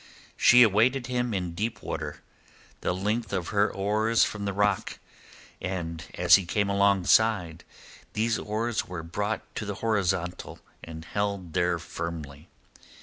She awaited him in deep water, the length of her oars from the rock, and as he came alongside, these oars were brought to the horizontal, and held there firmly.